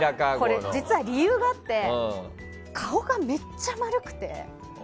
実は理由があって顔がめっちゃ丸くて！